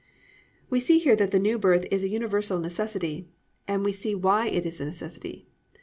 "+ We see here that the New Birth is a universal necessity, and we see why it is a necessity.